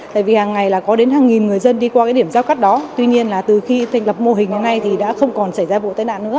tại vì hàng ngày là có đến hàng nghìn người dân đi qua cái điểm giao cắt đó tuy nhiên là từ khi thành lập mô hình đến nay thì đã không còn xảy ra vụ tai nạn nữa